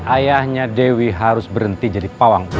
ayahnya dewi harus berhenti jadi pawang